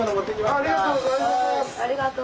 ありがとうございます。